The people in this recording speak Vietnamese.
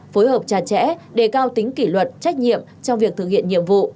phối hợp chặt chẽ đề cao tính kỷ luật trách nhiệm trong việc thực hiện nhiệm vụ